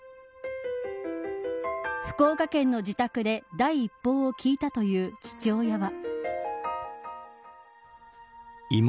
福岡県の自宅で第一報を聞いたという父親は。